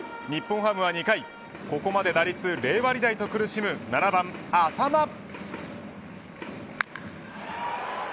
日本ハムは２回、ここまで打率０割台と苦しむ７番淺間。